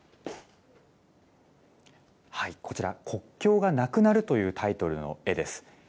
こちら、国境がなくなるというタイトルの絵です。